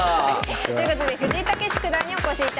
ということで藤井猛九段にお越しいただきました。